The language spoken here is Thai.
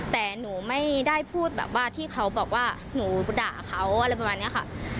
แต่หนูไม่ได้พูดแบบว่าที่เขาบอกว่าหนูด่าเขาอะไรประมาณนี้ค่ะ